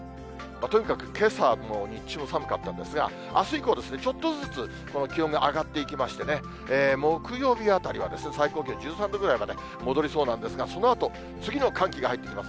とにかくけさはもう、日中も寒かったんですが、あす以降、ちょっとずつこの気温が上がっていきましてね、木曜日あたりは、最高気温１３度ぐらいまで戻りそうなんですが、そのあと、次の寒気が入ってきます。